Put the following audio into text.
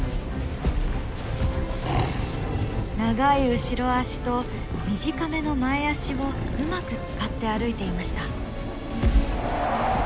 長い後ろ足と短めの前足をうまく使って歩いていました。